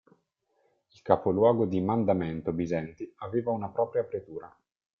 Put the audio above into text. Il capoluogo di Mandamento, Bisenti, aveva una propria pretura.